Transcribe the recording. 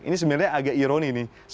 ini sebenarnya agak ironi nih